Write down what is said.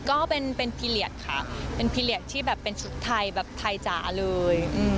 ก็เป็นพิเลียตที่เป็นชุดไทยแบบไทจ๋าเลย